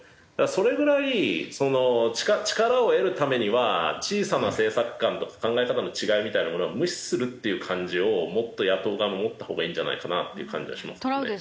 それぐらい力を得るためには小さな政策観とか考え方の違いみたいなものは無視するっていう感じをもっと野党側も持ったほうがいいんじゃないかなっていう感じはしますけどね。